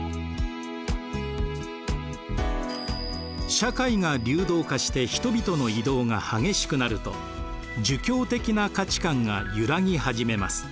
社会が流動化して人々の移動が激しくなると儒教的な価値観が揺らぎ始めます。